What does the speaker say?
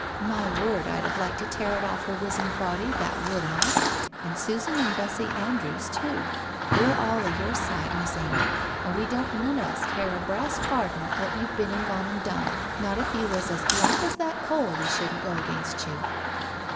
My word, I'd have liked to tear it off her wizened body, that would I, and Susan and Bessy Andrews too. "We're all o' your side, Miss Amy, and we don't none on us care a brass farden what you've been and gone and done, not if you was as black as that coal, we shouldn't go against you